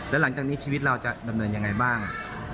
แล้วหลังจากนี้ชีวิตเราจะดำเนินยังไงบ้าง